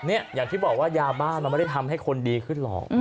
อย่างที่บอกว่ายาบ้านมันไม่ได้ทำให้คนดีขึ้นหรอก